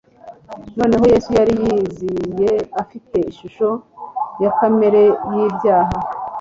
Noneho Yesu yari yiyiziye "Afite ishusho ya kamere y'ibyaha",